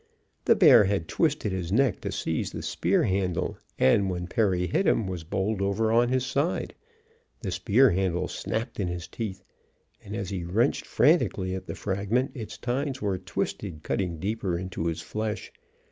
The bear had twisted his neck to seize the spear handle, and when Perry hit him, was bowled over on his side. The spear handle snapped in his teeth, and as he wrenched frantically at the fragment, its tines were twisted, cutting deeper into his flesh.